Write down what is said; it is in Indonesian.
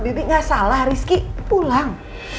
bibi gak salah rizky pulang